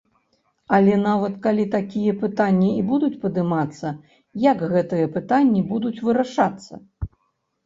Але, нават, калі такія пытанні і будуць падымацца, як гэтыя пытанні будуць вырашацца?